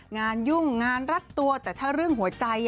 ยุ่งงานรัดตัวแต่ถ้าเรื่องหัวใจ